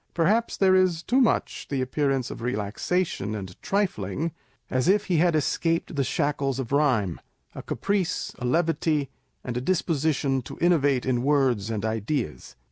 Per haps there is too much the appearance of relaxation and trifling (as if he had escaped the shackles of rhyme), a caprice, a levity, and a disposition to innovate in words and ideas.